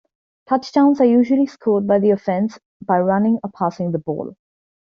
Touchdowns are usually scored by the offense by running or passing the ball.